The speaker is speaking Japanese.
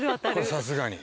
さすがに。